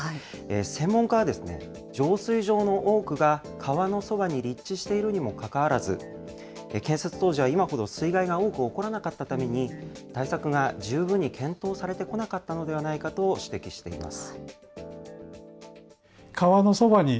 専門家は、浄水場の多くが川のそばに立地しているにもかかわらず、建設当時は水害が今より起こらなかったために、対策が十分に検討されてこなかったのではないかと指摘しています。